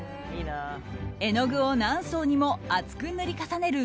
絵の具を何層にも厚く塗り重ねる